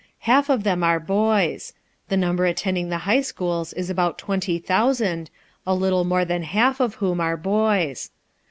Half of them are boys. The number attending the high schools is about 20,000, a little more than half of whom are boys.